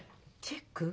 チェック？